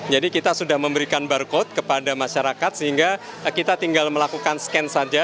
jadi kita sudah memberikan barcode kepada masyarakat sehingga kita tinggal melakukan scan saja